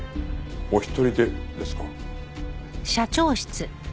お一人でですか。